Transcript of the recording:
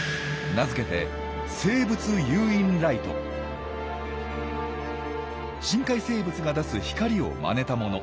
名付けて深海生物が出す光をまねたもの。